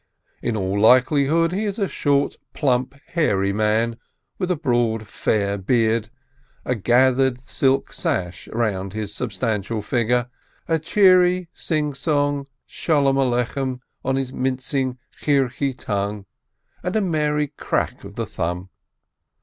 In all likelihood, he is a short, plump, hairy man, with a broad, fair beard, a gathered silk sash round his substantial figure, a cheery singsong "Sholom Alechem" on his mincing, "chiriky" tongue, and a merry crack of the thumb.